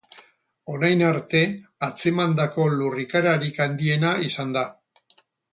Orain arte atzemandako lurrikararik handiena izan da.